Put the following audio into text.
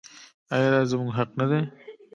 آیا دا زموږ حق نه دی؟